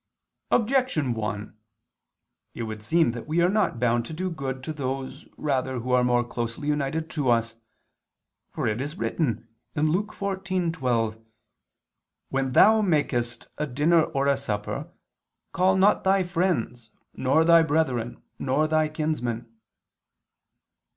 Objection 1: It would seem that we are not bound to do good to those rather who are more closely united to us. For it is written (Luke 14:12): "When thou makest a dinner or a supper, call not thy friends, nor thy brethren, nor thy kinsmen."